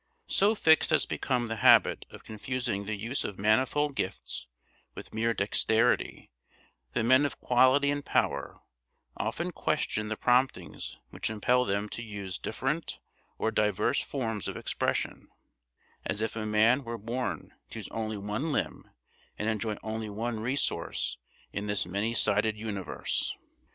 So fixed has become the habit of confusing the use of manifold gifts with mere dexterity that men of quality and power often question the promptings which impel them to use different or diverse forms of expression; as if a man were born to use only one limb and enjoy only one resource in this many sided universe!